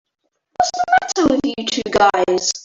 What's the matter with you two guys?